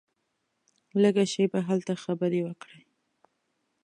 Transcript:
لږه شېبه هلته خبرې وکړې.